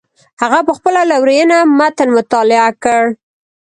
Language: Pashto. هغه په خپله لورینه متن مطالعه کړ.